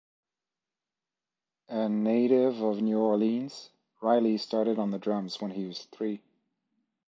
A native of New Orleans, Riley started on the drums when he was three.